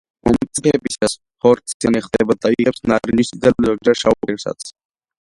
მომწიფებისას ხორციანი ხდება და იღებს ნარინჯის, წითელ, ზოგჯერ შავ ფერსაც.